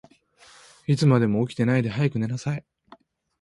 いつまでも起きてないで、早く寝なさい。